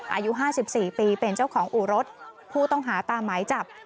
อายุห้าสิบสี่ปีเป็นเจ้าของอุรสผู้ต้องหาตามไม้จับ